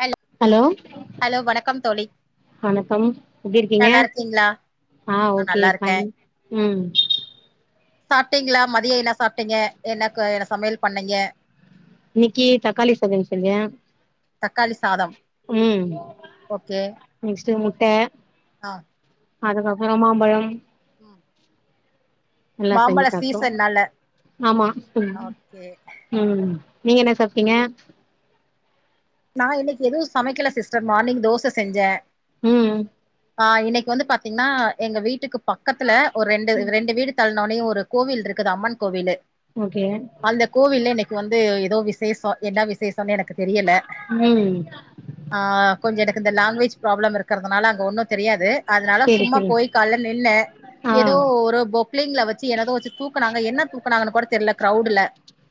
Hello hello வணக்கம் தோழி வணக்கம் எப்டி இருக்கீங்க நல்லா இருக்கீங்களா ஆ ஓகே நல்லா இருக்கே ஃபைன் ம் சாப்ட்டீங்ளா மதியோ என்ன சாப்ட்டீங்க என்னக்கு என்ன சமயல் பண்ணீங்க இன்னிக்கு தக்காளி சமயல் செஞ்சே தக்காளி சாதம் ஓகே நெக்ஸ்ட்டு முட்ட ஆ அதுக்கப்பறோ மாம்பழம் ம் எல்லா செஞ்சு மாம்பழ சாப்ட்டோம் சீசன்னால ஆமா ம் ஓகே ம் நீங்கென்ன சாப்ட்டீங்க நா இன்னைக் எதுவு சமைக்கல சிஸ்டர் மார்னிங் தோச செஞ்சே ம் ஆ இன்னைக்கு வந்து பாத்திங்னா எங்க வீட்டுக்கு பக்கத்துல ஒரு ரெண்டு ம் ரெண்டு வீடுத் தல்நோனே ஒரு கோவில்ருக்குது அம்மன் கோவிலு ஓகே அந்த கோவில்ல இன்னைக்கு வந்து எதோ விசேசோ என்ன விசேசோன்னு எனக்கு தெரியல ம் ஆ கொஞ்ச எனக்கு இந்த லாங்குவேஜ் ப்ராப்ளம் இருக்கிறதுனால அங்க ஒன்னு தெரியாது அதனால சேரி சும்மா சேரி போய் கால்ல நின்ன ஆ ஏதோ ஒரு பொக்ளிங்ல வச்சு எனதோ வச்சு தூக்கனாங்க என்ன தூக்கனாங்கு கூட தெர்ல கிரவுடுல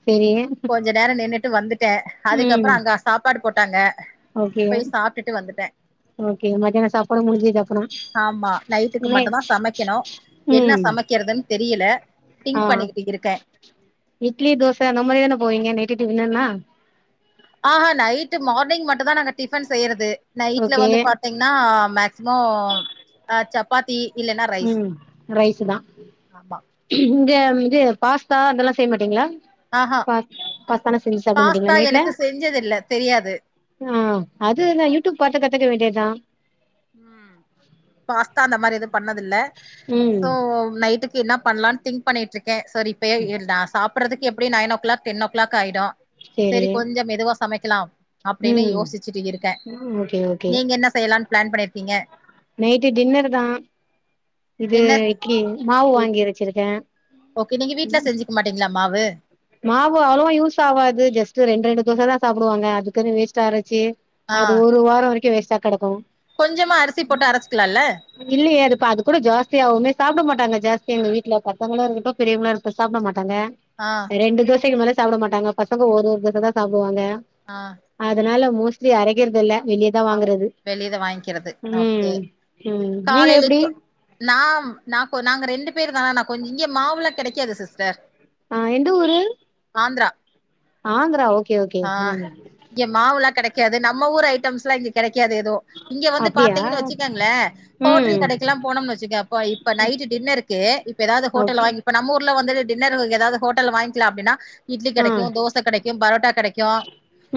செரி கொஞ்ச நேரோ நின்னுட்டு வந்துட்ட அதுக்கப்புறோ அங்க சாப்பாடு போட்டாங்க ஓகே போய் சாப்ட்டுட்டு வந்துட்ட ஓகே மதியான சாப்படு முடிஞ்சிது அப்பறோ ஆமா நைட்டுக்கு நே மட்டுந்தா சமைக்கணு என்ன ம் சமைக்கிறதுன்னு தெரியல ஆ திங்க் பண்ணிக்கிட்டு இருக்கே இட்லி தோச அந்த மாரி தானே போவீங்க நைட்டு டிஃப்னெல்லா ஆஹா நைட்டு மார்னிங் மட்டு தா நாங்க டிஃபன் செய்யறது நைட்ல ஓகே வந்து பாத்தீங் ன்னா மேக்சிமோ அ சப்பாத்தி இல்லன்னா ரைஸ் ம் ரைஸு தா ஆமா இது இது பாஸ்தா அதெல்லா செய்ய மாட்டீங்களா ஆஹா பாஸ் பாஸ்தாலி செஞ்சு சாப்ட பாஸ்தா மாடிங்களா நைட்ல எனக்கு செஞ்சதில்ல தெரியாது ஆ அது என்னா யூடியூப் பாத்து கத்துக்க வேண்டியதுதா ம் பாஸ்தா அந்த மாரி எது பண்ணதில்ல ம் சோ நைட்டுக்கு என்ன பண்ணலான்னு திங்க் பண்ணிட்டு இருக்கே சரி இப்ப நா சாப்படுறதுக்கு எப்டியு nine o'clock ten o'clock ஆயிடும் சேரி சரி கொஞ்சோ மெதுவா சமைக்கலாம் அப்டின்னு ம் யோசிச்சுட்டு இருக்க ஓகே ஓகே நீங்க என்ன செய்யலானு பிளான் பண்ணிருக்கீங்க நைட்டு டின்னரு தா இது என்ன இட்லி மாவு வாங்கி வச்சிருக்க ஓகே நீங்க வீட்ல செஞ்சிக்க மாட்டீங்களா மாவு மாவு அவ்ளோவா யூஸ் ஆவாது ஜஸ்ட்டு ரெண்டு ரெண்டு தோச தா சாப்டுவாங்க அதுக்குன்னு வேஸ்ட்டா அரச்சி ஆ அது ஒரு வாரோ வரைக்கு வேஸ்ட்டா கடக்கு கொஞ்சமா அரிசி போட்டு அரச்சுக்கலால்ல இல்லையே அது இப்ப அது கூட ஜாஸ்தியாவுமே சாப்பட மாட்டாங்க ஜாஸ்தி எங்க வீட்டல பசங்களு இருக்கட்டு பெரியவங்ளுஇருக்ட்டு சாப்ட மாட்டாங்க ஆ ரெண்டு தோசைக்கு மேல சாப்ட மாட்டாங்க பசங்க ஒரு ஒரு தோச தா சாப்டுவாங்க ஆ அதனால மோஸ்ட்லி அரைக்கறது இல்ல வெளியதா ஆ வாங்கறது வெளியத வாங்கிக்கிறது ஓகே ம் ம் நீங்க எப்டி நாம் நா கொ நாங்க ரெண்டு பேரு தா நா கொஞ் இங்கே மாவுல்லா கெடைக்காது சிஸ்டர் ஆ எந்த ஊரு ஆந்தரா ஆந்தரா ஓகே ஓகே ம் இங்க மாவுல்லா கெடைக்காது நம்ம ஊர் ஐட்டம்ஸ்ல்லா இங்க கெடைக்காது ஏதோ இங்க வந்து அப்டியா பாத்தீங்கன்னு வச்சிக்குங்களே ம் ஹோட்டல் கடைக்கெல்லா போனம்னு வச்சிக்கே அப்ப இப்ப நைட்டு டின்னர்க்கு இப்ப ஏதாவது ஹோட்டல ஓகே வாங்கி இப்ப நம்ம ஊர்ல வந்தது டின்னருக்கு ஏதாவது ஹோட்டல்ல வாங்கிக்கலா அப்டின்னா இட்லி ஆ கெடைக்கு தோச கெடைக்கு பரோட்டா கெடைக்கு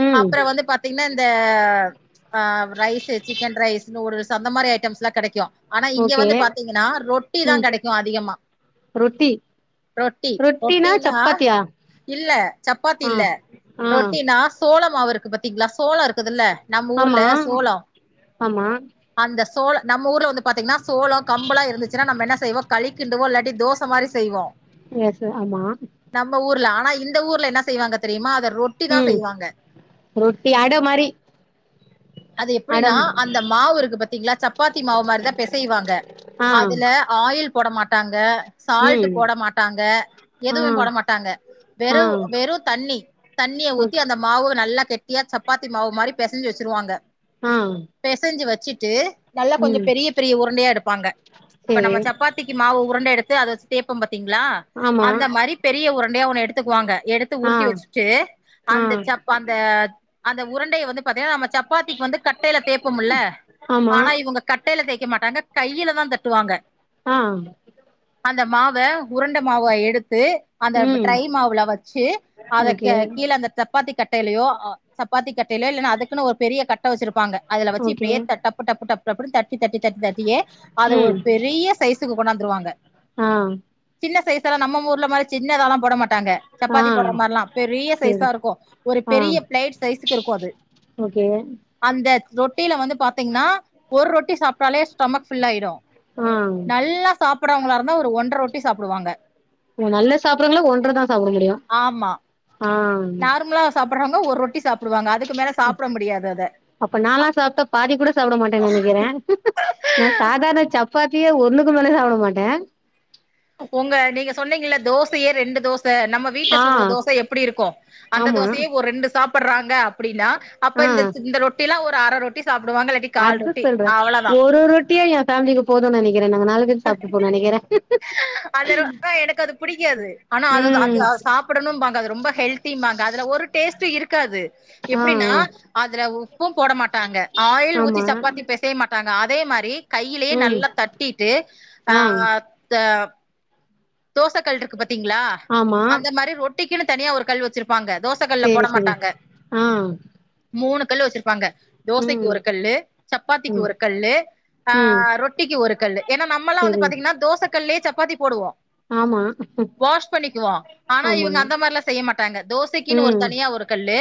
ம் அப்பற வந்து பாத்தீங்கன்னா இந்த ஆ ரைஸ்சு சிக்கன் ரைஸ் நூடுல்ஸ் அந்த மாரி ஐட்டம்ஸ்ல்லா கெடைக்கு ஆனா இங்க ஓகே வந்து பாத்தீங்கன்னா ரொட்டி தா ம் கெடைக்கு அதிகமா ரொட்டி ரொட்டி ரொட்டினா இல்ல சப்பாத்தி ஆ இல்ல ஆ ரொட்டினா சோள மாவு இருக்கு பாத்தீங்களா சோள இருக்குதுல்ல நம்ம ஊர்ல ஆமா சோளோ ஆமா அந்த சோள நம்ம ஊர்ல வந்து பாத்தீங்கன்னா சோள கம்பளா இருந்துச்சுன்னா நம்ம என்ன செய்வோ கலிக்கிண்டுவோ இல்லாட்டி தோச மாரி சு செய்வோ எஸ்சு ஆமா நம்ம ஊர்ல ஆனா இந்த ஊர்ல என்னா செய்வாங்க தெரியுமா அத ரோட் ம் ரொட்டி ஆட மாரி அது எப்படின்னா அடம் அந்தப் மாவு இருக்கு பத்தீங்களா சப்பாத்தி மாவு மாரிதா பெசைவாங்க ஆ அதுல ஆயில் போட மாட்டாங்க சால்ட் ம் போட மாட்டாங்க ஆ எதுவுமே போட மாட்டாங்க ஆ வெறு வெறு தண்ணி தண்ணிய ஊத்தி ஓகே அந்தப் மாவு நல்லா கெட்டியா சப்பாத்தி மாவு மாரி பெசஞ்சு வச்சிருவாங்க ஆ பெசஞ்சி வச்சிட்டு நல்லா கொஞ்ச ம் பெரிய பெரிய உருண்டையா எடுப்பாங்க இப்ப சேரி நம்ம சப்பாத் ரொட்டிக்கு மாவு உருண்ட எடுத்து அத வச்சி தேப்பம் பாத்தீங்களா ஆமா அந்த மாரி பெரிய உருண்டையா ஒண்ணு எடுத்துக்குவாங்க எடுத்து ஆ உருட்டி வச்சிட்டு ஆ அந்த சப்பா அந்த அந்த உருண்டைய வந்து பாத்தீங்ன்னா நம்ம சப்பாத்திக்கு வந்து கட்டையில தேப்பம்ல்ல ஆமா ஆனா இவங்க கட்டையில தேய்க்க மாட்டாங்க கையில தா தட்டுவாங்க ஆ அந்த மாவ உருண்ட மாவா எடுத்து அந்த ம் ட்ரை மாவுல வச்சி அத ஓகே கே கீழ அந்த தப் சப்பாத்தி கட்டையிலையோ ஆ சப்பாத்தி கட்டையிலையோ இல்லைன்னா அதுக்குன்னு ஒரு பெரிய கட்ட வச்சிருப்பாங்க அதுல வச்சி ஓகே இப்படியே ட டப் டப் டப்னு தட்டி தட்டி தட்டியே அது ஒரு ம் பெரிய சைஸ் கொண்ணாந்துருவாங்க ஆ சின்ன சைஸ்லா நம்ம ஊர்ல மாரி சின்னதாலா போட மாட்டாங்க ஆ சப்பாத்தி போடுற மாரில்லா பெரிய சேரி சைஸா இருக்கு ஒரு ஆ பெரிய பிளேட் சைஸ்க்கு இருக்கு அது ஓகே அந்த ரொட்டியில வந்து பாத்தீங்கன்னா ஒரு ரொட்டி சாப்ட்டாலே ஸ்டமக் ஃபுல் ஆயிடு ஆ நல்லா சாப்பறவங்களா இருந்தா ஒரு ஒன்ற ரொட்டி சாப்டுவாங்க நல்ல சாப்பிறங்கள ஒன்ற தா சாப்பட முடியு ஆமா ஆ நார்மலா சாப்பறவங்க ஒரு ரொட்டி சாப்டுவாங்க அதுக்குமேல அ சாப்ட முடியாது அத அப்ப நால்லா சாப்ட்டா பாதி கூட சாப்ட மாட்டேன்னு நெனைக்கிறே நா சாதாரண சப் பாத்தியே ஒன்னுக்கு மேலே சாப்ட மாட்டே ஒங்க நீங்க சொ ன்னீங்கல தோசையே ரெண்டு தோச நம்ம வீட்ல ஆ சுடுற தோச எப்டி இருக்கு அந்த ஆமா தோசையே ஒரு ரெண்டு சாப் பட்றாங்க அப்டின்னா அப்ப ஆ இந்த ச் இந்த ரொட்டில ஒரு அர ரொட்டி சாப்டுவாங்க இல்லாட்டி கால் அது ரொட்டி சொல்றே அவ் ஒரு ரொட்டியே எ ஃபேம்லிக்கு போதுன் நெனைக்கிறே நாங்க நாலு பேர் சாப்ட்டுப்போ நெனைக்கிறே அந்த ரொ அ எனக் அது புடிக்காது ஆனா அது தா அது ம் அ சா சாப்படணும்பாங்க்கா அது ரொம்ப ஹெல்த்திம்பாங்க்கா அதுல ஒரு டேஸ்ட்டு இருக்காது ஆ எப்டின்னா ஆ அதுல உப்பு போட மாட்டாங்க ஆயில் ஆமா ஊத்தி சப்பாத்தி பெச ய மாட்டாங்க அதே மாரி கையிலயே ம் நல்லா தட்டிட்டு ஆ த தோச கல்ருக்கு பாத்தீங்ளா ஆமா அந்த மாரி ரொட்டிக்கின்னு தனியா ஒரு கல் வெச்சிருப் பாங்க தோச கல்ல போட சேரி சேரி மாட்டாங்க ஆ மூணு கல் வெச்சிருப்பாங்க தோசைக்கு ம் ஒரு கல்லு சப்பாத்திக்கு ம் ஒரு கல்லு ஆ ம் ரொட்டிக்கு ஒரு கல்லு ஏன்னா நம்மல்லா வந்து சேரி பாத்தீங்கன்னா தோச கல்லே சப்பாத்தி போடுவோ ஆமா வாஷ் பண்ணிக்குவோ ஆனா ஆமா இவுங்க அந்த மார்லா செய்ய மாட்டாங்க தோசைக்கின்னு ஒரு ம் தனியா ஒரு கல்லு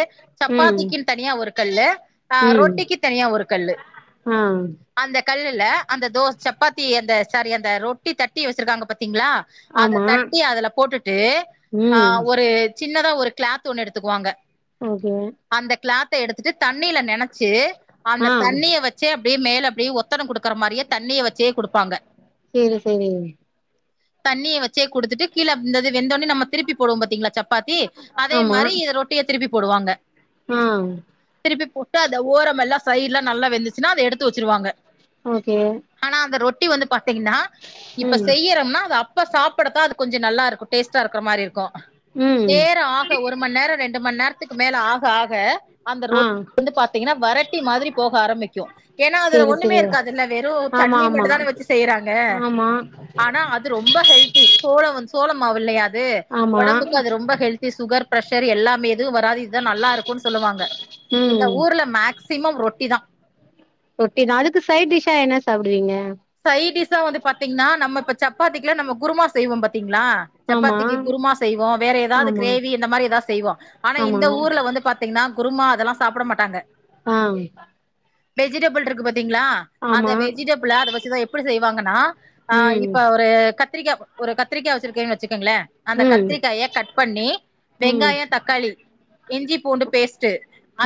ம் சப்பாத்திக்கின் தனியா ஒரு கல்லு ஆ ரொட்டிக்கு தனியா ஒரு கல்லு ம் அந்த கல்லுல அந்த தோ சப்பாத்தி அந்த சாரி அந்த ரொட்டி தட்டி வெச்சிருக்காங்க பாத்தீங்ளா அத ஆமா தட்டி அதுல போட்டுட்டு ஆ ம் ஒரு சின்னதா ஒரு கிளாத் ஒன்னு எடுத்துக்குவாங்க ஓகே அந்த கிளாத்த எடுத்துட்டு தண்ணீல நெனச்சு ஆ அந்த தண்ணிய வ ச்சே அப்டியே மேல அப்டியே ஒத்தடோ குடுக்கற மாரியே தண்ணிய வச்சே குடுப்பாங்க சேரி சேரிங் தண்ணிய வச்சே குடுத்துட்டு கீழ அந்தது வெந்தொன்னே நம்ம திருப்பி போடுவோ பாத்தீங்களா சப்பாத்தி அதே மாரி இத ரொட்டிய திருப்பி போடுவாங்க ம் திருப்பி போட்டு அத ஓரமெல்லா சைடு்லா நல்லா வெந்துச்சுன்னா அத எடுத்து வச்சிருவாங்க ஓகே ஆனா அந்த ரொட்டி வந்து பாத்தீங்கன்னா இப்ப ம் செய்யறம்னா அத அப்ப சாப் படத்தா அது கொஞ்சோ நல்லாருக்கு டேஸ்ட்டா இருக்கற மாரி இருக்கு ம் நேரோ ஆ க ஒரு மண் நேரோ ரெண்டு மண் நேரத்துக்கு மேல ஆக ஆக அந்த ஆ ரொட் வந்து பாத்தீங்கன்னா வரட்டி மாதிரி போக ஆரம்பிக்கு ஏன்னா அதுல சேரி ஒன்னுமே சேரி இருக்காதுல்ல வெறு ஆமா தண்ணி ஆமா மட்டுந்தான வச்சு செய்யறாங்க ஆமா ஆனா அது ரொம்ப ஹெல்த்தி சோள வந் சோளமாவு இல்லையா அது ஆமா ஒடம்புக்கு அது ரொம்ப ஹெல்த் தி சுகர் பிரஷர் எல்லாமே எதுவு வராது இதா நல்லாருக்குன் சொல்லுவாங்க ம் இந்த ஊர்ல மேக் ஸிமம் ரொட்டி தா ரொட்டி தா அதுக்கு சைட் டிஷ்ஷா என்ன சாப்டுவீங்க சைட் டிஸ்ஸா வந்து பாத்தீங்ன்னா நம்ம இப்ப சப்பாத்திக்லா நம்ம குருமா செய்வோ பாத்தீங்ளா ஆமா சப்பாத்திக்கு குருமா செய்வோ வேற எதாவ்து ஆமா க்ரேவி இந்த மாரி எதா செய்வோ ஆனா ஆமா இந்த ஊர்ல வந்து பாத் தீங்னா குருமா அதெல்லா சாப்பட மாட்டாங்க ஆ வெஜிடபிள்ருக்கு பாத்தீங்ளா அந்த ஆமா வெஜிடபிள அத வச்சு தா எப்பிடி செய்வாங்கன்னா ஆ ம் இப்ப ஒரு கத்திரிக்கா ஒரு கத்திரிக்கா வச்சிருக்கீங்ன் வச்சிக்கங்ளே அந்த ம் கத்திரிக்காய கட் பண்ணி ம் வெங்காயோ, தக்காளி இஞ்சி பூண்டு பேஸ்ட்டு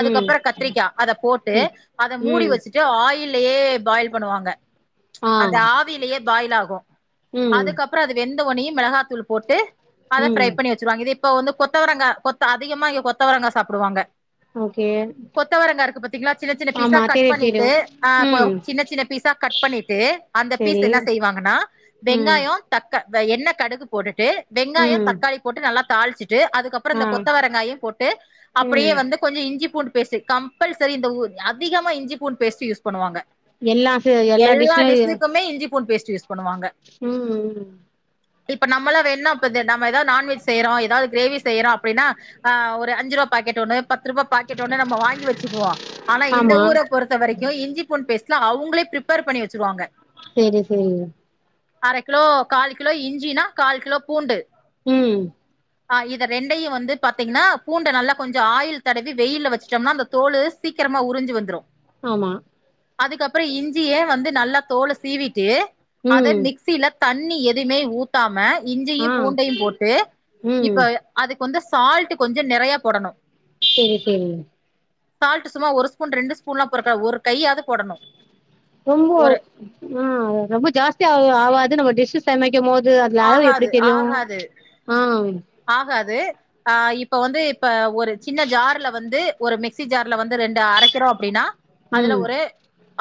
ம் கத்திரிக்கா அத போட்டு ம் அத மூடி ம் வச்சிட் டு ஆயில்யே பாயில் பண்ணுவாங்க ஆ அந்த ஆவிலயே பாயில் ஆகு ம் அதுக்கப் பறோ அது வெந்த ஒட்னையு மிளஹாத்தூள் போட்டு அத ம் ஃப்ரை பண்ணி வ சுருவாங் இது இப்ப வந்து கொத்தவரங்கா கொத்த அதிகமா இ கொத்தவரங்கா சாப்டுவாங்க ஓகே கொத்தவரங்கா இருக்கு பாத்திங்களா சின்ன சின்ன பீஸா ஆமா கட் தெரியு தெரியு பண்ணிட்டு் ஆ ம் சின்ன சின்ன பீஸா கட் பண்ணிட்டு அந்த பீஸ் செரி என்ன செய்வாங்கன்னா ம் வெங்காயோ தக்க எண்ண கடுகு போட்டுட்டு வெங்காயோ ம் தக்காளி போட்டு நல்லா தாள்ச்சிட்டு அதுக்கப் ப்றோ ஆ இந்த கொத்தவரங்காயு போட்டு ம் அப்டியே வந்து கொஞ்ச இஞ்சி பூண்டு பேஸ்ட் கம்பல்சரி இந்தஊ அதிகமா இஞ்சி பூண்டு பேஸ்ட் யூஸ் பண்ணுவாங்க வெல்லா சு எல்லா டிஷ்ஷுகுமே இஞ்சிபூண்ட் பேஸ்ட் யூஸ் பண்ணுவாங்க ம் இப்ப நம்மலா வேண்ணா இப்ப நம்ம எதாவது நான்வெஜ் செய்யறோ எதாவது கிரேவி செய்றோ அப்டின்னா ஒரு அஞ்சு ருவா பாக்கெட் ஒண்ணு பத்து ருபா பாக்கெட் ஒண்ணு நம்ம வாங்கி வச்சுக்குவோ ஆனா இந்த ஆமா ஊர பொறுத்த வரைக்கு இஞ்சிபூண்ட் பேஸ்ட்ல அவுங்களே பிரிப்பேர் பண்ணி வச்சிருவாங்க சேரி சேரி அர கிலோ காலு கிலோ இஞ்சினா கால் கிலோ பூண்டு ம் ஆ இத ரெண்டையு வந்து பாத்தீங்கன்னா பூண்ட நல்லா கொஞ்ச ஆயிள் தடவி வெயில்ல வச்டம்னா அந்த தோலு சீக்கிரமா உறிஞ்சி வந்துரு ஆமா அதுக்கப்றோ இஞ்சியே வந்து நல்லா தோல சீவிட்டு அத ம் மிக்சில தண்ணி எதுமே ஊத்தாம இஞ்சியு ஆ பூண்டையு போட்டு ம் இப்ப அதுக்கு வந்து சால்ட் கொஞ்ச நெறைய போடணு சரி சரி சால்ட்டு சும்மா ஒரு ஸ்பூன் ரெண்டு ஸ்பூன்லா பொறக்கா ஒரு கையாது போடணு ரொம்போ ஒரு ஆ ரொம்ப ஜாஸ்தியா ஆவாது நம்ம டிஷ் சமைக்க போது அதுல அளவு எப்டி ஆகாது தெரியு ஆகாது அஹ் ஆகாது ஆஹ் இப்ப வந்து இப்ப ஒரு சின்ன ஜார்ல வந்து ஒரு மிக்சி ஜார்ல வந்து ரெண்டு அரைக்கிறோ அப்டின்னா அதுல ம் ஒரு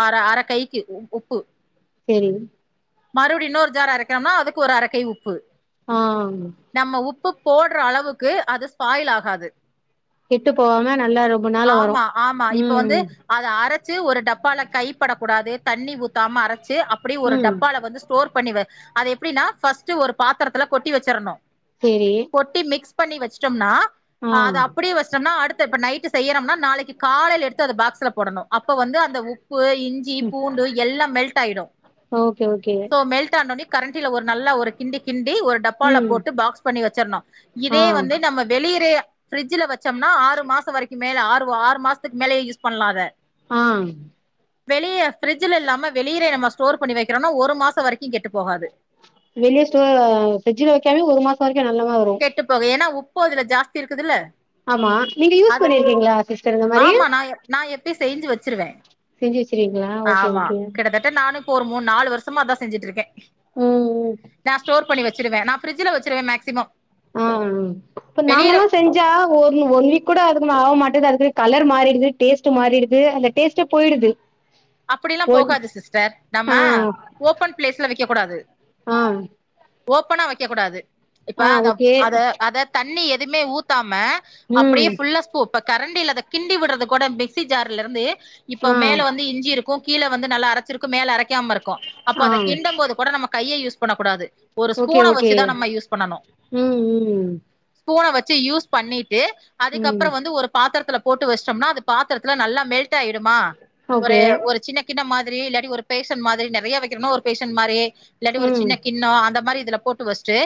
அர அர கைக்கு உப்பு சரி மறுடி இன்னொர் ஜார் அரைக்கணும்னா அதுக்கு ஒரு அர கை உப்பு ஆஹ் நம்ம உப்பு போட்ற அளவுக்கு அது ஸ்பாயில் ஆகாது கெட்டு போவாம நல்லா ரொம்ப நாள வரு ஆமா ஆமா. இப்ப வந்து ம் அத அரச்சு ஒரு டப்பால கைப்படக்க கூடாது தண்ணி ஊத்தாம அரச்சு அப்டி ஒரு ம் டப்பால வந்து ஸ்டோர் பண்ணி அது எப்டின்னா ஃபர்ஸ்ட் ஒரு பாத்தரத்துல கொட்டி வச்சரணு சரி கொட்டி மிக்ஸ் பண்ணி வச்டம்னா அது அப்டியே வச்டம்னா அடுத் இப்ப நைட் செய்யறம்னா நாளைக்கு காலேல எடுத்து அத பாக்ஸ்ல போடணு அப்ப வந்து அந்த உப்பு இஞ் சி பூண்டு எல்லா மெல்ட் ஆயிடு ஓகே ஓகே சோ மெல்ட் ஆனோனி ஒரு நல்ல ஒரு கிண்டி கிண்டி ஒரு டப் பால ம் போட்டு பாக்ஸ் பண்ணி வச்சர்ணு ஆ இதே வந்து நம்ம வெளியேறே ஃபிரிட்ஜ்ல வச்சம்னா ஆறு மாச வரிக்கு மேல ஆறு ஆறு மாசத்துக்கு மேலயே யூஸ் பண்லா அத அ வெளிய ஃபிரிட்ஜ்ல இல்லாம வெளிர நம்ம ஸ்டோர் பண்ணி வெக்கறோனா ஒரு மாச வரைக்கு கெட்டு போகாது வெளிய ஸ்டோர் ஃரிட்ஜல வைக்காமயே ஒரு மாச வரைக்கு நல்லாத வரு விட்டு போக ஏன்னா உப்போ இதுல ஜாஸ்தி இருக்குதுல்ல ஆமா நீங்க யூஸ் அது பண்ணிருக்கீங்களா சிஸ்டர் இந்த மாரி ஆமா நா நா எப்பய செஞ்சு வச்சிருவே செஞ்சு வச்சிருக்கீங்களா ஓகே ஆமா ஓகே கிட்டத்தட் நானக்கு ஒரு மூணு நாலு வருஷமா அதா செஞ்சுட்ருக்கே ம் ம் நா ஸ்டோர் பண்ணி வச்சிருவே நா பிரிட்ஜில வச்சருவே மேக்ஸிமம் ஆ இப்ப நாங்கல்லா செஞ் ஜா ஒன் ஒன் வீக் கூட அதுக்கு ஆக மாட்டது அதுக்கு கலர் மாறிடு டேஸ்ட் மாறிடுது அந்த டேஸ்ட்டே போயிடுது [inaudible] அப்படிலா ஒன் போகாது சிஸ்டர் ஆ நம்ம ஓபன் பிளேஸ்ல வைக்க கூடாது ஆ ஓப்பனா வைக்க கூடாது இப்ப ஆ அதப் ஓகே அத அத தண்ணி எதுவுமே ஊத்தாம ம் அப்டியே புல்லா இப்ப கரண்டில அத கிண்டி விடுறது கூட மிக்ஸி ஜார்ல இருந்து இப்போ ஆ மேல வந்து இன்ஞ் இருக்கு கீழ வந்து நல்லா அரைச்சிருக்கு மேல அரைக்காம இருக்கு அப்ப ஆ அத கிண்ட போது கூட நமக்கு கைய யூஸ் பண்ணக்கூடாது ஒரு ஓகே ஸ்பூன ஓகே வச்சுதா நம்ம யூஸ் பண்ணணு ம் ம் ஸ்பூன வச்சு யூஸ் பண்ணிட்டு ம் அதுக்கப்பற வந்து ஒரு பாத்தரத்துல போட்டு வச்சுடோம்னா அது பாத்தரத்துல நல்லா மெல்ட் ஆயிடுமா ஓகே ஒரு ஒரு சின்ன கின்ன மாரி இல்லாடி ஒரு பேஷன் மாரி நெறைய வைக்கிறோம்னா ஒரு பேஷன் மாரியே இல்லாட்டி ஒரு ம் சின்ன கிண்ணோ அந்த மாரி இதுல போட்டு வச்சுட்டு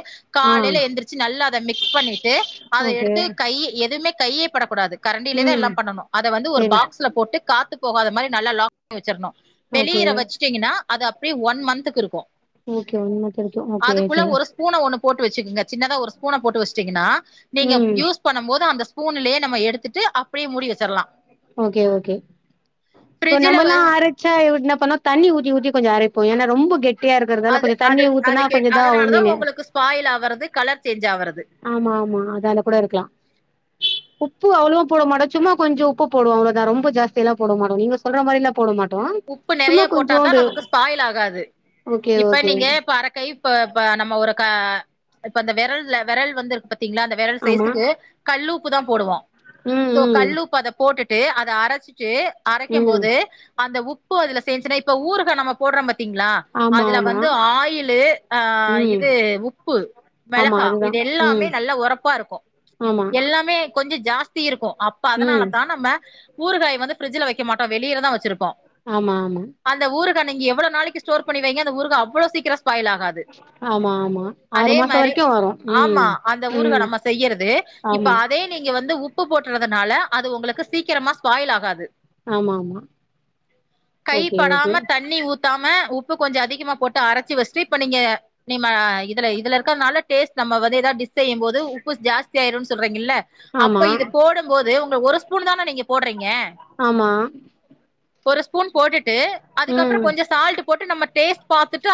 ஆ காலையில எந்திரிச்சு நல்லா அத மிக்ஸ் பண்ணிட்டு அத ஓகே எடுத்து கை எதுவுமே கையே படக்கூடாது கரண்டிலே தா ம் எல்லாம் பண்ணணு அத வந்து ஒரு சரி பாக்ஸ்ல போட்டு காத்து போகாத மாரி நல்லா லாக் பண்ணி வச்சிரனு ஓகே வெளியீற வச்சுட்டீங்கன்னா அது அப்படியே ஒன் மந்துக்கு இருக்கு ஓகே ஒன் மந்த் வரைக்கு ஓகே அதுக்குள்ள ஓகே ஒரு ஸ்பூன ஒன்னு போட்டு வச்சுக்கங்க சின்னதா ஒரு ஸ்பூன போட்டு வச்சுங்கன்னா நீங்க ம் யூஸ் பண்ணும் போது அந்த ஸ்பூன்லயே நம்ம எடுத்துட்டு அப்டியே மூடி வச்சிறலா ஓகே ஓகே இப்போ ஃப்ரிட்ஜில நம்மலா அரைச்சா என்ன பண்ணோ தண்ணி ஊத்தி ஊத்தி கொஞ்ச அரைப்போ ஏன்னா ரொம்ப கெட் அது அத அதை கே ஆவு அதனாலதா மீனு உங்களுக்கு ஸ்பாயல் ஆறது கலர் சேஞ்ச் ஆறது ஆமா ஆமா அதால கூட இருக்கலா உப்பு அவ்வளவோ போட மாட்டோ சும்மா கொஞ்ச உப்பு போடுவோ அவ்ளோதா ரொம்ப ஜாஸ்தில்லா போடமாட்டோ நீங்க சொல்ற மாரில்லா போட மாட்டோ உப்பு சும்மா நெறைய போட்டாதா கொஞ்சோண்டு நமக்கு ஸ்பாயில் ஆகாது ஓகே இப்ப ஓகே நீங்க இப்ப அறக்கை இப்ப இப்ப நம்ம ஒரு க இப்ப அந்த வெரல்ல வெரல் வந்துருக்கு பாத்தீங்களா அந்த வெரல் ஆமா சைஸுக்கு கல்லூப்பு தா போடுவோ ம் சோ ம் கல்லூப்பு அத போட்டுட்டு அத அரைச் சு அரைக்கும் ம் போது அந்த உப்பு அதுல சேந்துச்சினா இப்ப ஊருகா நம்ம போடுறம் பாத்தீங்களா ஆமா அதுல ஆமா வந்து ஆயிலு ஆ ம் இது உப்பு ஆமா மெளகா. அதுதா இது எல்லாமே ம் நல்லா ஓறப்பா இருக்கு ஆமா எல்லாமே கொஞ்ச ஜாஸ்தி இருக்கு அப்ப அதனால ம் தா நம்ம ஊறுகாய் வந்து பிரிட்ஜில வைக்க மாட்டோ வெளியிலதா வச்சிருப்போ ஆமா ஆமா அந்த ஊருக நீங்க எவ்ளோ நாளைக்கு ஸ்டோர் பண்ணிவைங்க அந்த ஊருகா அவ்வளோ சீக்கிர ஸ்பாய்ல் ஆகாது ஆமா ஆமா ஆறு அதே மாச மாரி வரைக்கு வரு ம் ஆமா அந்த ஊருகா ம் நம்ம செய்யறது இப்ப ஆமா அ அதே நீங்க வந்து உப்பு போட்டுறதுனால அது உங்களுக்கு சீக்கிரமா ஸ்பாயில் ஆகாது ஆமா ஆமா ஓகே ஓகே கைப்படாம தண்ணி ஊத்தாம உப்பு கொஞ்ச அதிகமா போட்டு அரைச்சு வச்சுட்டு இப்ப நீங்க நீம்ம இதுல இதுல இருக்கறதுனால டேஸ்ட் நம்ம வந்து ஏதாவது டிஸ் செய்யும் போது உப்பு ஜாஸ்தி ஆயிரும்னு சொல்றீங்க இல்ல ஆமா அப்ப இது போடும்போது உங்க ஒரு ஸ்பூனு தானே நீங்க போடுறீங்க ஆமா ஒரு ஸ்பூன் போட்டுட்டு ம் அதுக்கப்புறம் கொஞ்சம் சால்ட் போட்டு நம்ம டேஸ்ட் பார்த்துட்டு